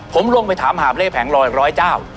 ผมลงไปถามหาเพลกแผงรออีกร้อยเจ้า